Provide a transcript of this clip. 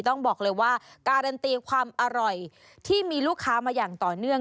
ต้องบอกเลยว่าการันตีความอร่อยที่มีลูกค้ามาอย่างต่อเนื่อง